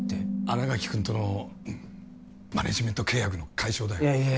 新垣君とのマネージメント契約の解消だよいや